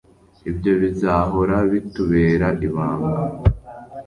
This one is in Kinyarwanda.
ibyo bizahora bitubera ibanga